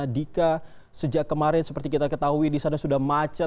dika sejak kemarin seperti kita ketahui di sana sudah macet